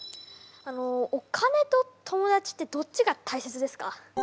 あのお金と友だちってどっちが大切ですか？